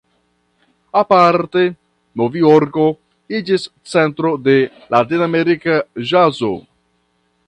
Aparte Novjorko iĝis centro de ”latinamerika ĵazo".